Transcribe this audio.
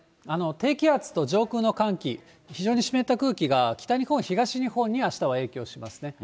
低気圧と上空の寒気、非常に湿った空気が北日本、東日本にあしたは影響しますね。